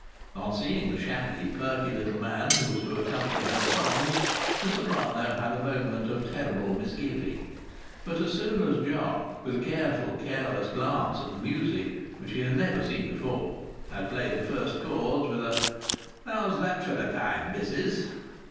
On seeing the shabby perky little man who was to accompany her songs the soprano had had a moment of terrible misgiving. But as soon as Jock, with a careful careless glance at the music, which he had never seen before, had played the first chords (with a "How's that for time, missis?")